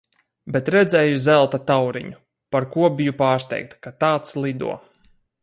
Bet redzēju zelta tauriņu, par ko biju pārsteigta, ka tāds lido.